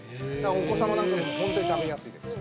お子様なんかもホントに食べやすいですし。